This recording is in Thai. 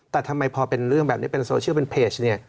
แต่ทำไมพอเป็นเรื่องแบบนี้เป็นโซเชียลเป็นเพจเนี่ย